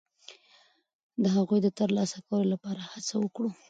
د هغوی د ترلاسه کولو لپاره هڅه وکړو.